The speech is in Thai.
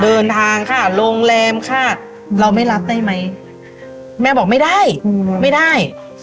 เดินทางค่ะโรงแรมค่ะเราไม่รับได้ไหมแม่บอกไม่ได้ไม่ได้